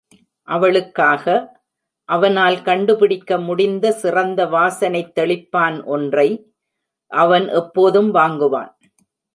அவளுக்காக, அவனால் கண்டுபிடிக்க முடிந்த சிறந்த வாசனைத் தெளிப்பான் ஒன்றை, அவன் எப்போதும் வாங்குவான்.